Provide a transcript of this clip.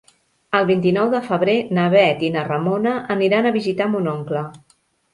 El vint-i-nou de febrer na Bet i na Ramona aniran a visitar mon oncle.